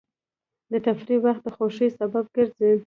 د تفریح وخت د خوښۍ سبب ګرځي.